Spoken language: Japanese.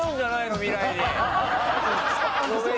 未来に。